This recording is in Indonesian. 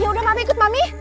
yaudah mami ikut mami